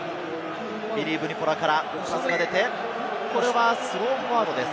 ビリー・ヴニポラからパスが出て、これはスローフォワードです。